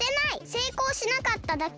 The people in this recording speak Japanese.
せいこうしなかっただけ！